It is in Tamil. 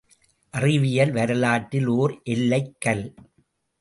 அறிவியல் வரலாற்றில் ஒர் எல்லைக் கல்.